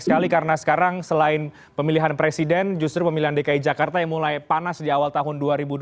sekali karena sekarang selain pemilihan presiden justru pemilihan dki jakarta yang mulai panas di awal tahun dua ribu dua puluh